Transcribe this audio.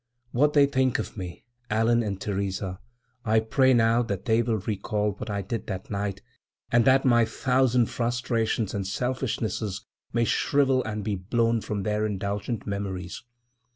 When they think of me, Allan and Theresa, I pray now that they will recall what I did that night, and that my thousand frustrations and selfishnesses may shrivel and be blown from their indulgent memories.